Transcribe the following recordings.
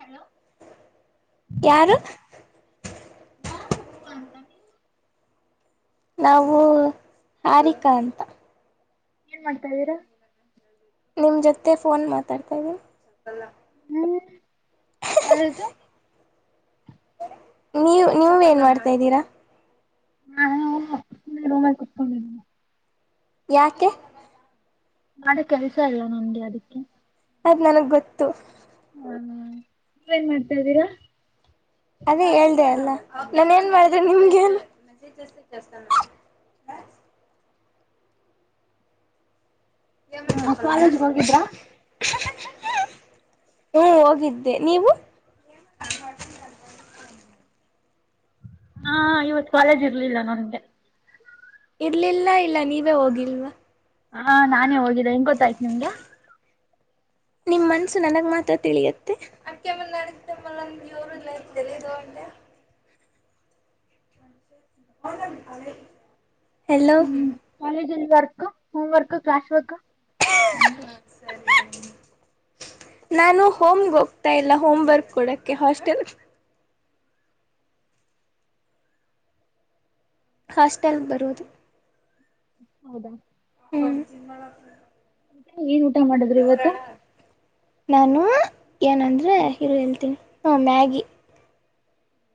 hello ಯಾರು ಹ [inaudible] ನಾವು ಹಾರಿಕ ಅಂತ ಏನ್ ಮಾಡ್ತಾ ಇದ್ದೀರಾ ನಿಮ್ ಜೊತೆ ಫೋನ್ ಮಾತಾಡ್ತಾ ಇದೀ ಹ್ಮ್ ಕಲದುು [inaudible] ನೀವ ನೀವ ಏನ್ ಮಾಡ್ತಾದೀರಾ ನಾ ರೂಮ ಕುತ್ಕೊಂಡಿದನಿ [inaudible] ಯಾಕೆ ಮಾಡ ಕೆಲ್ಸ ಇಲ್ಲ ನನ್ಗೆ ಅದಕ್ಕೆ ಅದ್ ನನಗ್ ಗೊತ್ತು ಹಾ ನೀವೇನ್ ಮಾಡ್ತಾ ಇದ್ದೀರಾ ಅದೇ ಹೇಳ್ದ ಅಲ್ಲ ನಾನ ಏನ್ ಮಾಡಿದೆ ನಿಮ್ಗೆ ಹ ಮಣ ಕಾಲೇಜ್ಗೆ ಹೋಗಿದ್ರಾ ಹ್ಮ ಹೋಗಿದ್ದೆ ನೀವು ಹಾ ಇವತ್ ಕಾಲೇಜ್ ಇರ್ಲಿಲ್ಲ ನನ್ಗೆ ಇರ್ಲಿಲ್ಲ ಇಲ್ಲ ನೀವೇ ಹೋಗಿಲ್ವಾ ಹಾ ನಾನೇ ಹೋಗಿದ್ದೆ ಹೆಂಗ್ ಗೊತ್ತಾಯ್ತು ನಿಮ್ಗ ನಿಮ್ಮ ಮನಸ್ಸು ನನಗೆ ಮಾತ್ರ ತಿಳಿಯುತ್ತೆ [unintelligible] ಹಲೋ ಹ್ಮ್ ಕಾಲೇಜಲ್ಲಿ work home work class work ಹಾ [unintelligible] ನಾನು ಹೋಮ್ಗೆ ಹೋಗ್ತಾ ಇಲ್ಲ ಹೋಮ್ ವರ್ಕ್ ಕೊಡಕ್ಕೆ ಹಾಸ್ಟೆಲ್ ಹಾಸ್ಟೆಲ್ ಬರೋದು ಹೌದಾ ಹ್ಮ ಊ ಏನ್ ಊಟ ಮಾಡಿದ್ರು ಇವತ್ತು ನಾನು ಏನಂದ್ರೆ ಹರು ಹೇಳ್ತೀನಿ ಹ ಮ್ಯಾಗಿಗಿ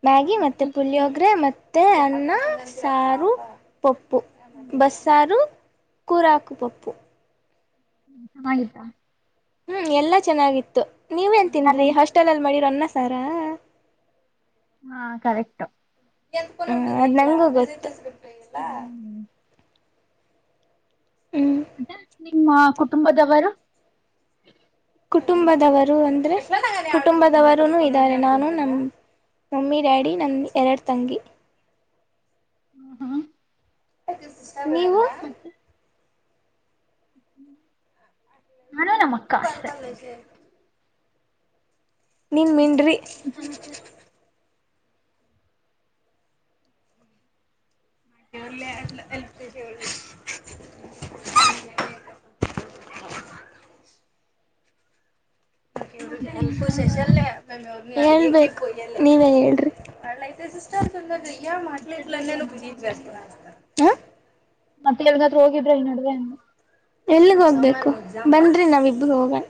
ಮ್ಯಾಗಿ ಮತ್ತೆ ಪುಳಿಯೋಗ್ರೆ ಮತ್ತೆ ಅನ್ನ ಸಾರು ಪಪ್ಪು ಬಸ್ಸಾರು ಕುರಾಕು ಪಪ್ಪು ಹ ಚ ಆಯ್ತಾ ಹ್ಮ್ ಎಲ್ಲಾ ಚೆನ್ನಾಗಿತ್ತು ನೀವೇನ್ ತಿಂದ್ರಿ ನಾನೇನ್ ಹಾಸ್ಟೆಲ್ ಅಲ್ಲಿ ಮಾಡಿರ ಅನ್ನ ಸಾರಾ ಹಾ ಕರೆಕ್ಟ್ ನಂಗು ಗೊಲ್ಲ ಹ್ಮ್ ಹ್ಮಞ ಮತ್ತೆ ನಿಮ್ಮ ಕುಟುಂಬದವರು ಕುಟುಂಬದವರು ಅಂದ್ರೆ ಕುಟುಂಬದವರು ಇದ್ದಾರೆ ನಾನು ನಮ್ಮ ನಮ್ಮಿ ಡ್ಯಾಡಿ ನನ್ನ ಎರಡು ತಂಗಿ ಹ್ಮ್ ಹ್ಮ್ ನೀವು [unintelligible] ನಾನು ನಮ್ಮ ಅಕ್ಕ ಆಷ್ಟೆ ಸ ನೀನ್ ಮಿನ್ರಿ ಏನ್ ಸಮಾಚಾರ ನಲ್ಲ ಎ [unintelligible] ಮತ್ತೆ ಏನ್ ಸಮಾಚಾರ ಹೇಳ್ಬೇಕು ನೀವೇ ಹೇಳ್ರಿ ಂದಯ ಮತ್ತೆ ಎಲ್ಲಾದ್ರೂ ಮಾಡ್ಲಿಟ್ಲೇ ಹೋಗಿದ್ರ ಈ ನಡುವೆ ಬ [unintelligible] ಮತ್ತೆ ಎವಗನತ್ರ ಹೋಗಿದ್ರ ಈ ನಡುವೆ ಎಲ್ಲಿಗ ಹೋಗ್ಬೇಕು ಬನ್್ರಿ ನಾವ್ಿಬ್ಬ ಹೋಗೋಣ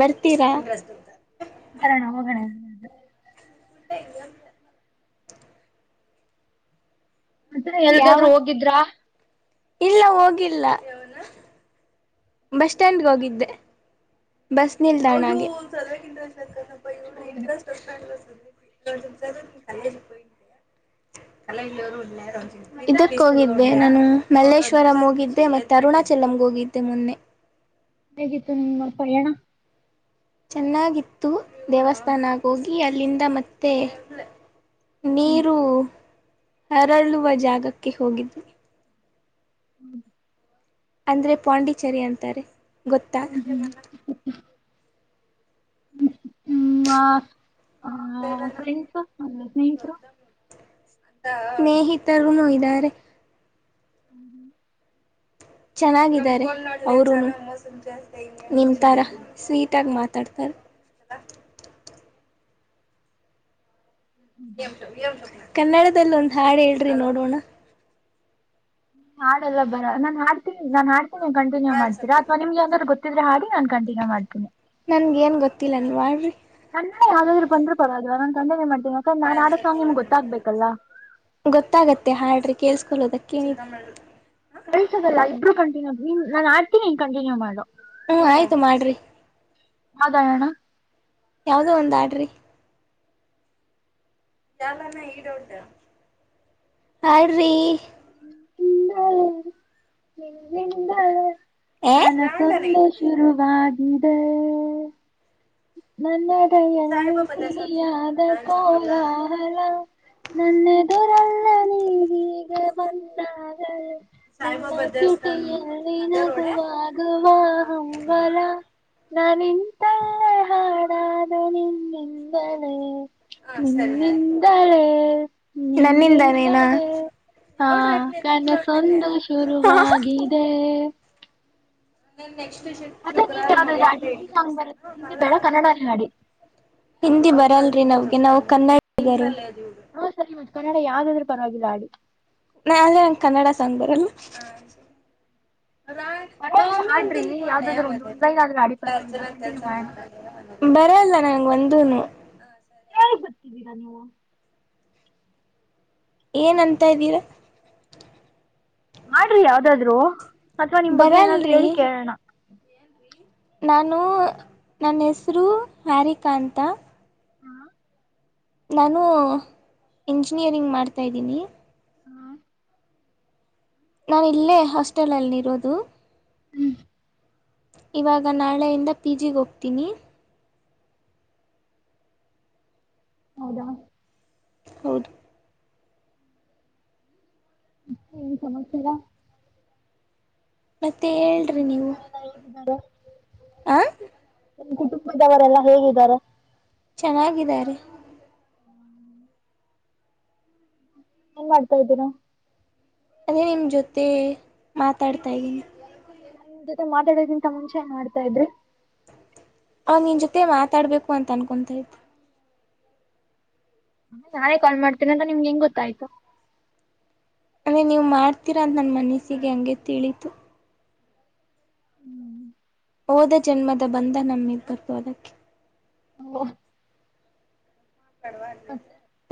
ಬರ್ತೀರಾ ಬರೋಣ ಹೋಗಣ ಊ [unintelligible] ಮತ್ತ ಯಾವ ಎಲ್ಗಾದ್ೂ ಹೋಗಿದ್ರಾ ಇಲ್ಲ ಹೋಗಿಲ್ಲ ಬಸ್ ಸ್ಟ್ಯಾಂಡ್ಗೆ ಹೋಗಿದ್ದೆ ಬಸ್ ನಿಲ್ದಾಣಗೆ ಹೌದಾ ರಜ ಹೋಗಲ ಇಳ್ಳ ಇದ ಹೋಗ [unintelligible] ನಾನು ಮಲ್ಲೇಶ್ವರಂ ಹೋಗಿದ್ದೆ ಮತ್ತೆ ಅರುಣಾಚಲಂಗೆ ಹೋಗಿದ್ದೆ ಮೊನ್ನೆ ಇದು ನಿಮ್ಮ ಪಯಣ ಚೆನ್ನಾಗಿತ್ತು ದೇವಸ್ಥಾನಕ್ಕೆ ಹೋಗಿ ಅಲ್ಲಿಂದ ಮತ್ತೆ ಹ್ಮ್ ನೀರು ಅರಳುವ ಜಾಗಕ್ಕೆ ಹೋಗಿದ್ವಿ ಹ್ಮ ಆದರೆ ಪಾಂಡಿಚೇರಿ ಅಂತಾರೆ ಗೊತ್ತಾ ನಿಮ್ಮ ಆ ಫ್ರೆಂಡ್ಸ ಅಂದ ಸ್ನೇಹಿತರು ಸ್ನೇಹಿತರುನು ಇದ್ದಾರೆ ಹ್ಮ್ ಹಾಗಿದ್ದರೆ ಅವರು ನಿಮ್ಮ ತರ ಸ್ವೀಟ್ ಆಗಿ ಮಾತಾಡ್ತಾರೆ ಕನ್ನಡದಲ್ಲಿ ಒಂದು ಹಾಡು ಹೇಳ್ರಿ ನೋಡೋಣ ಹಾಲ್ಲರ ನಾನ್ಡ್ತೀನಿ ನಾನ್ಡ್ತೀನಿ ಕಂಟಿನ್ಯೂ ಮಾಡ ಅಥವಾ ನಿಮ್ಗೆ ಅಂದ್ ಗೊ [unintelligible] ನನ್ಗೇಏನು ಗೊತ್ತಿಲ್ಲ ನೀ ಮಾಡ್ರಿ ನನ್ನೇ ಯಾವ್ದಾದ್ ಬಂದ್ರು ಬರೋದು ನ ಕಂಟನ್ಯ ಮಾಡ್ತನಿಕಂದ ನನ್ ಆಡೋಕ್ಕಂಗ ನಮಗೆ ಗೊತ್ತಾಗಬೇಕಲ್ಲ ಗೊತ್ತಾಗತ್ತೆ ಹಾಡ್ರಿ ಕೇಸ್ಕೊೊಳ್ಳೋದಕ್ಕೆ ಕಳ್ಸದಲ್ಲ ಇಬ್ಬರು ಕಂಟಿನ್ಯೂ ನಾನನ್ ಆಡ್ತೀನಿನ್ ಕಂಟಿನ್ಯೂ ಮಾಡು ಹ್ಮ್ ಆಯ್ತು ಮಾಡ್ರಿ ಹದಾಯಣ ಯಾವವುದೋ ಒಂದು ಆಡ್ರಿ ಚಾಲಾನ ಈಡ ಉಂಟ ಹ್ರಿ ಏ ಕನಸೊಂದೆ ಶುರುವಾಗಿದೆ [unintelligible] ನನ್ನೆದುರಲ್ಲ ನೀ ಹೀಗೆ ಮನ್ನಾಗ ಸಾಹಬ ಬ್ದಲ್ [unintelligible] ನಾನಿಂತಲೇ ಹಾಳಾದೇ ನಿನ್ನಿಂದನೆೇ ನಿನ್ನದಲೇ ನಿನ್ ನನ್ನಿಂದಾನೇನಾ ದಲೇ ಹಾ ಕನ ಸೊಂದು ಶುರುವರುವಾಗಿದೆ ನ ನೆಕ್ಸ್ಟ್ಟಟ್ ಮತ್ತೆ ನೀವ ಯಾವ್ದಾವ್ ಹಿಂದಿ ಸಾಂಗ್ ಬ ಹಿಂದಿ ಬೇಡ ಕನ್ನಡನ ಆಡಿ ಹಿಂದಿ ಬರಲ್ರಿ ನಾವ್ಗೆ ನಾವು ಕನ್ನಡಿಗರ ಹ ಸರಿ ಮತ್ತ ಕನ್ನಡ ಯಾವ್ದಾದ್ರೂ ಪರವಾಗಿಲ್ಲ ಅಡಿ ನಾ ಅದೇ ನಂಗ ಕನ್ನಡ ಸಾಂಗ್ ಬರಲ್ ರಾಣ ಮ ಪರವಾಗಿಲ್ಲ ಮಮ್ಮಮ್ಮಿ ಆಡ್ರಿ ಅಟು ಕೊಂಡ ನ ಯ ಯಾವ್ದಾದ್ರು ಒಂದು ಮ ಒಂದು ಲೈನ್ ಆದ್ರೂ ಆಡಿ ಇ ಪರವಾಗಿಲ್ಲ ಅರ್ಚನಾ ಕಂಟಿನ್ಯೂ ಸಂ ಮಾಡೋಣ ಬರಲ್ಲ ನಂ ಒಂದನು ಬತ್ತಿದ್ದೀರ ನೀವು ಏನುಂತ ಇದ್ದೀರ ಮಾಡ್ರಿ ಯಾವ್ದಾದ್ರು ಅಥವಾ ನಿಮ್ ಬಗ್ಗೆ ಏನಾದ್ರು ಬರಲ್ರಿ ಹೇಳಿ ಕೇಳೋಣ ನಾನು ನನ್ನ ಹೆಸರು ಹ್ಯಾರಿಕ ಅಂತ ನಾನು ಇಂಜಿನಿಯರಿಂಗ್ ಮಾಡ್ತಾಯ್ದೀನಿ ಹ್ಮ ನಾನ ಇಲ್ಲೇ ಹಾಸ್ಟೆಲಲ್ಲಿ ಇರೋದು ಹ್ಮ್ ಇವಾಗ ನಾಳೆಯಿಂದ ಪಿ ಜಿಗೆ ಹೋಗ್ತೀನಿ ಹೌದಾ ಹೌದು ಮತೇ ಹೇಳಿ ಸಮಾಚಾರ ಮತ್ತೆ ಹೇಳ್ರರಿ ನೀವು ಬ ಆ ನಿಮ್ಮ ಕುಟುಂಬದವರೆಲ್ಲಾ ಹೇಗಿದ್ದಾರೆ ಚೆನ್ನಾಗಿದ್ದಾರೆ ಏನ್ ಮಾಡ್ತಾ ಇದ್ದೀರಾ ಅದೇ ನಿಮ್ಮ ಜೊತೆ ಮಾತಾಡ್ತಾ ಇದ್ದೀನಿ ನನ್ ಜೊತೆ ಮಾತಾಡೋಕ್ಕಿಂತ ಮುಂಚೆ ಎನ್ ಮಾಡ್ತಾ ಇದ್ರಿ ಅವ್ ನಿನ್ ಜೊತೆ ಮಾತಾಡ್ಬೇಕು ಅಂತ ಅನ್ಕೊತಾತ್ತು ನಾನೇ ಕಾಲ್ ಮಾಡ್ತೀನ ಅಂತಾ ನಿಮ್ಗೆ ಹೆಂಗ ಗೊತ್ತಾಯ್ತು ಅಂದರೆ ನೀವು ಮಾಡ್ತೀರಾ ಅಂತ ನನ್ನ ಮನಸ್ಸಿಗೆ ಹಂಗೆ ತಿಳಿತು ಹೋದ ಜನ್ಮದ ಬಂದ ನಮಿಬ್ಬರದು ಅದಕ್ಕೆ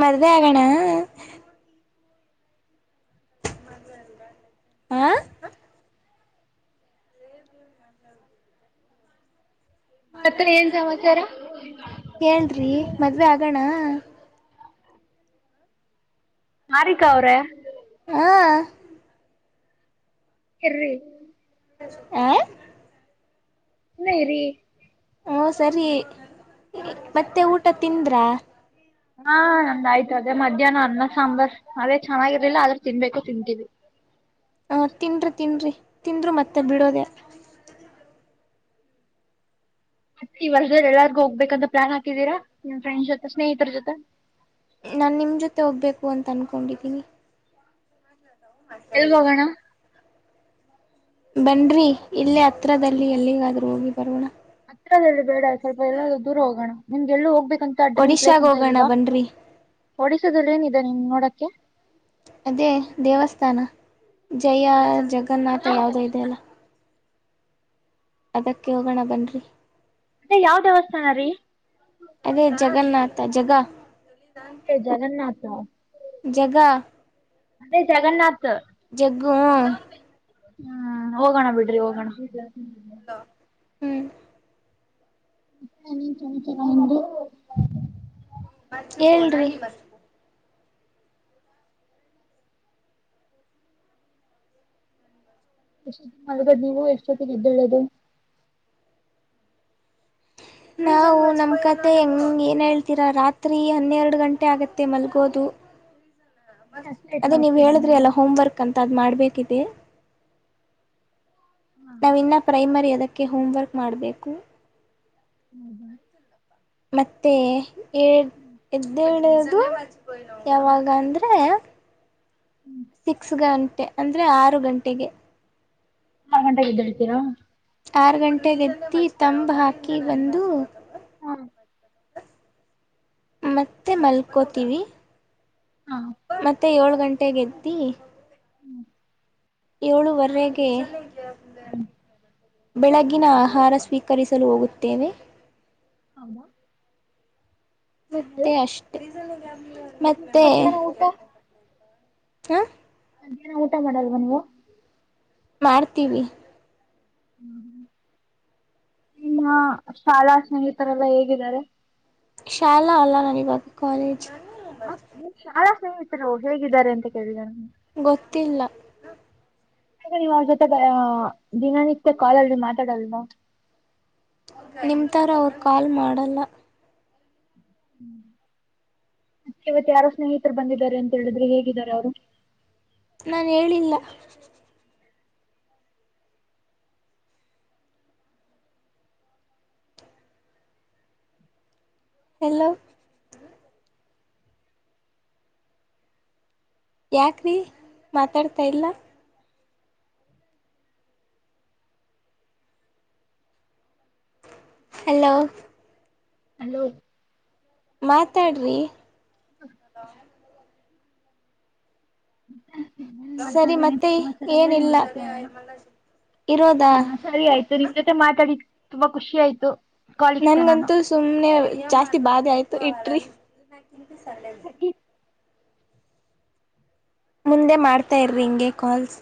ಮದ್ವೆ ಆಗೋಣ ಹ ಅತ್ತ ಏನ್ ಸಮಾಚಾರ ಕೇಳ್ರಿ ಮದ್ವೆ ಆಗೋಣ ಮಾರಿಕ ಅವ್ರೆ ಹಾ ಎರ್ರಿ ಆ ಇ ರರಿ ಹಓ ಸರಿ ಮತ್ತೆ ಊಟ ತಿಂದ್ರಾ ಹಾ ನಂದಾಯಯ್ತು ಅದೇ ಮಧ್ಯಾಹ್ನ ಅನ್ನ ಸಾಂಬಾರ್ ಅದೇ ಚೆನ್ನಾಗಿರ್ಲಿಲ್ಲ ಆದ್ರ ತಿನ್ಬೇಕು ತಿಂತೀವಿ ಹ ತಿನ್ರಿ ತಿನ್ರಿ ತಿಂದರು ಮತ್ತೆ ಬಿಡೋದೆೇ ಇವರ್ ಎಲ್ಲಾರ್ಗ ಹೋಗ್ಬೇಕ ಅಂತ ಪ್ಲಾನ್ದ್ದೀರಾ ನಿಮ್ಮ ಫ್ರಂಡ್ ಜೊತೆ ಸ್ನೇಹಿತರ ಜೊತೆ ನಾನು ನಿಮ್ಮ ಜೊತೆ ಹೋಗ್ಬೇಕು ಅಂತ ಅನ್ಕೊಂಡಿದ್ದೀನಿ ಎಲ್ಲಿ ಹೋಗೋಣ ಬನರೀ ಇಲ್ಲೇ ಹತ್ರದಲ್ಲಿ ಎಲ್ಲಿಗಾದ್ರೂ ಹೋಗಿ ಬರೋಣ ಹತ್ರ ಬೇಡ ಸ್ವಲ್ಪ ಎಲ್ಲಾದೂ ದೂರ ಹೋಗೋಣ ನಿಮ್ಗೆ ಎಲ್ಲೂ ಹೋಗ್ಬೇಕಂತ ಆ ಡ್ರೀಮ್ ಒಡಿಶಾಗ ಪ್ಲೇಸ್ ಅಂತ ಹೋಗೋಣ ಇಲ್ವಾ ಬನ್ರಿ ಒಓಡಿಸೋಲ್ಲಿ ಏನಿದೆ ನಿನ್ ನೋಡಕ್ಕೆ ಅದೇ ದೇವಸ್ಥಾನ ಜಯ ಜಗನ್ನಾಥ ಯಾವ್ದೋ ಇದೆಯ ಅಲ್ಲ ಅದಕ್ಕೆ ಹೋಗೋಣ ಬನ್ರಿ ಅೆ ಯಾವ ದೇವಸ್ಥಾನ ರೀ ಅದೇ ಜಗನ್ನಾಥ ಜಗ [unintelligible] ಜಗ ಅದೇ ಜಗನ್ನಾಥ ಜಗ್ಗು ಹ್ಮ್ ಹೋಗೋಣ ಬಿಡ್ರಿ ಹೋಗೋಣ ಹ [unintelligible] [unintelligible] [unintelligible] ಹೇಳ್ರಿ ಎಷ್ಟೊತ್ತಿಗೆ ಮಲ್ಕೋದು ಎಷ್ಟೊತ್ತಿಗೆ ಇದ್ದಳದು ನಾವು ನಮ್ಮ ಕತೆೆ ಹೆಂಗಂಗೆ ಏನು ಹೇಳ್ತೀರಾ ರಾತ್ರಿ ಹನ್ನೆರಡು ಗಂಟೆ ಆಗತ್ತೆ ಮಲ್ಗೋದು ಹ [inaudible] ಅದೇ ನೀವ ಹೇಳಿದ್ರಿ ಅಲ್ಲ ಹೋಮ್ವರ್ಕ್ ಅಂತ ಅದ್ ಮಾಡ್ಬೇಕಿದೆ ನಾವ ಇನ್ನ ಪ್ರೈಮರಿ ಅದಕ್ಕೆ ಹೋಮ್ ವರ್ಕ್ ಮಾಡ್ಬೇಕು ಹ್ಮ ಹ್ಮ ಮತ್ತೆ ಎ ಎದ್ದೇಳುವುದು ಯಾವಾಗ ಅಂದ್ರೆ [inaudible] ಸಿಕ್ಸ್ ಗಂಟೆ ಅಂದ್ರೆ ಆರು ಗಂಟೆಗೆ ಆರು ಗಂಟೆಗೆಗೆದ್ದಿಡ್ತೀರಾ ಆರು ಗಂಟೆೆಗೆ ಎದತ್ತಿ ತಂಬ ಹಾಕಿ ಬಂದು ಹಾ ಮತ್ತೆ ಮಲ್ಕೋತೀವಿ ಮತ್ತೆ ಏಳ್ ಗಂಟೆೆಗೆಗದ್ದಿ ಏಳುವರೆಗೆ ಹ್ಮ್ ಬೆಳಗಿನ ಆಹಾರ ಸ್ವೀಕರಿಸಲು ಹೋಗುತ್ತೇವೆ ಆಮ ಮತ್ತೆ ಅಷ್ಟೆ ಮತ್ತೆ ಮಧ್ಯಾಹ್ನ [inaudible] ಹಾ ಮಧ್ಯಾನ ಊಟ ಮಾಡಲ್ವ ನೀವು ಮಾಡ್ತೀವಿ ಹ್ಮ ಹ್ಮ್ ನಿಮ್ಮ ಶಾಲಾ ಸ್ನೇಹಿತರೆಲ್ಲ ಹೇಗಿದ್ದಾರೆ ಶಾಲ ಅಲ್ಲ ನಾನಿವಾಗ ಕಾಲೇಜ್ ಶಲಾ ಸ್ನೇಹಿತರು ಹೇಗಿದ್ದಾರೆ ಅಂತ ಕೇಳಿದಿದ್ದಾರೆ ಗೊತ್ತಿಲ್ಲ ಗ ನೀವ್ ಜೊತೆ ದಿನನಿತ್ಯ ಕಾಲಲ್ರಿ ಮಾತಾಡಲ್ನು ನಿಮ್ಮ ಥರ ಅವ್ರು ಕಾಲ್ ಮಾಡಲ್ಲ ಇವತ್ ಯಾರೋ ಸ್ನೇಹಿತರು ಬಂದಿದ್ದಾರೆ ಅಂತ ಹೇಳಿದ್ರೆ ಹೇಗಿದ್ದಾರೆ ಅವ್ರು ನಾನ್ ಹೇಳಿಲ್ಲ ಹಲೋ ಯಾಕೆ ರೀ ಮಾತಾಡ್ತಾಯಿಲ್ಲ ಹಲೋ ಹಲೋ ಮಾತಾಡ್ರಿ ಹ್ಮ ಏನ್ ಸರಿ ಮಾಡ್ತಿದ್ರಿ ಏನ್ ಮತ್ತೆ ಸಮಾಚಾರ ಹೇಳಿ ಏನಿಲ್ಲ ನೀವೇ ಕೇಳೋಣ ಇರೋದಾ ಹಾ ಸರಿ ಆಯ್ತು ನಿಮ್ ಜೊತೆ ಮಾತಾಡಿ ತುಂಬಾ ಖುಷಿ ಆಯ್ತು ಕಾಲ್ ಇಕ್ತೆ ನಾನು ನನ್ಗಂತೂ ಸುಮ್ನೆ ಜಾಸ್ತಿ ಬಾಧೆ ಆಯ್ತು ಇಟ್ರಿ ಸ ಮುಂದೆ ಮಾಡ್ತಾ ಇರಿ ಹಿಂಗೆ ಕಾಲ್ಸ್